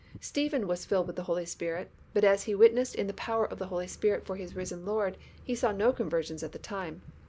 Stephen was filled with the Holy Spirit, but as he witnessed in the power of the Holy Spirit for his risen Lord, he saw no conversions at the time.